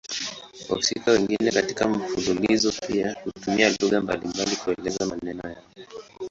Wahusika wengine katika mfululizo pia hutumia lugha mbalimbali kuelezea maneno yao.